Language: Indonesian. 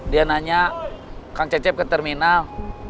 dia nanya kang cecep ke terminal